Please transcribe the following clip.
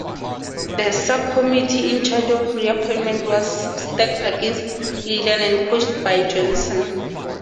The subcommittee in charge of reappointment was stacked against Leland and coached by Johnson.